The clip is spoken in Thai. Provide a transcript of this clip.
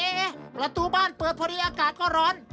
เอ๊ประตูบ้านเปิดพอดีอากาศก็ร้อน